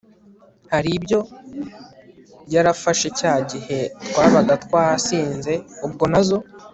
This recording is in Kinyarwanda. hari ibyo yarafashe cya gihe twabaga twasinze ubwo nazo